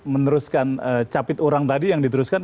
meneruskan capit orang tadi yang diteruskan